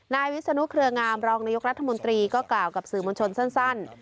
วิศนุเครืองามรองนายกรัฐมนตรีก็กล่าวกับสื่อมวลชนสั้น